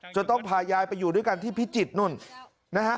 ต้องพายายไปอยู่ด้วยกันที่พิจิตรนู่นนะฮะ